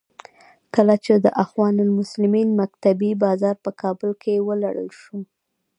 کله چې د اخوان المسلمین مکتبې بازار په کابل کې ولړل شو.